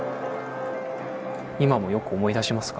今もよく思い出しますか？